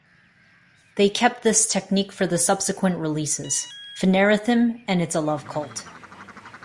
They kept this technique for the subsequent releases, Phanerothyme and It's A Love Cult.